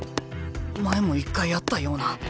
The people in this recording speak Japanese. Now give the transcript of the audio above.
前も一回あったような。